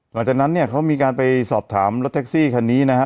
หลังจากนั้นเนี่ยเขามีการไปสอบถามรถแท็กซี่คันนี้นะครับ